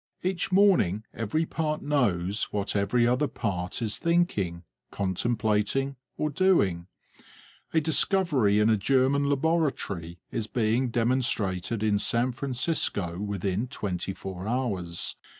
Each morning every part knows what every other part is thinking, contemplating, or doing. A discovery in a German laboratory is being demonstrated in San Francisco within twenty four hours.